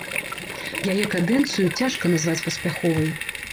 Яе кадэнцыю цяжка назваць паспяховай.